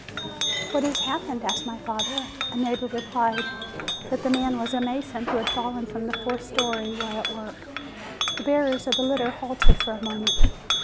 "What has happened?" asked my father. A neighbor replied, that the man was a mason who had fallen from the fourth story while at work. The bearers of the litter halted for a moment.